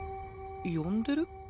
呼んでる？